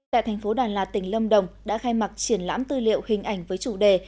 tại thành phố đà lạt tỉnh lâm đồng đã khai mạc triển lãm tư liệu hình ảnh với chủ đề